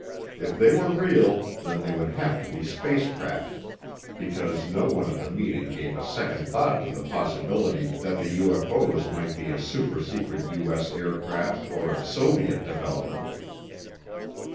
If they were real, then they would have to be spacecraft because no one at the meeting gave a second thought to the possibility that the UFO's might be a supersecret U.S. aircraft or a Soviet development.